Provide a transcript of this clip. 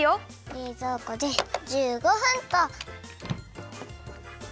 れいぞうこで１５分っと！